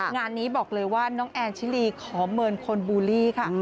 งานนี้บอกเลยว่าน้องแอนชิลีขอเมินคนบูลลี่ค่ะ